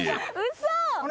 嘘！